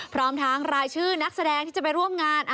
พร้อมทั้งรายชื่อนักแสดงที่จะไปร่วมงาน